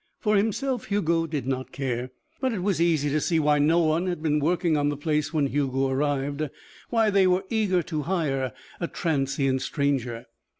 For himself, Hugo did not care. But it was easy to see why no one had been working on the place when Hugo arrived, why they were eager to hire a transient stranger.